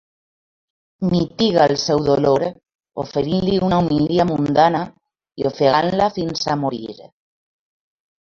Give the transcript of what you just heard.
Mitiga el seu dolor oferint-li una homilia mundana, i ofegant-la fins a morir.